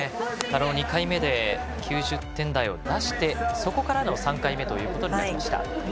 ２回目で９０点台を出してそこからの３回目となりました。